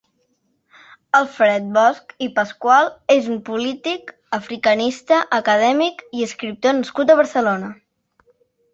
Alfred Bosch i Pascual és un polític, africanista, acadèmic i escriptor nascut a Barcelona.